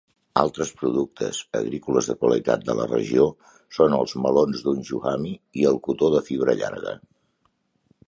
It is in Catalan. Altres productes agrícoles de qualitat de la regió són els melons Donghu Hami i el cotó de fibra llarga.